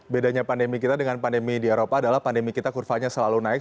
bedanya pandemi kita dengan pandemi di eropa adalah pandemi kita kurvanya selalu naik